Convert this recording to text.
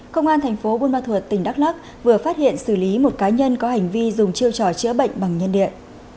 công an thành phố bumathuot tỉnh đắk lắc vừa phát hiện xử lý một cá nhân có hành vi dùng chiêu trò chữa bệnh bằng nhân điện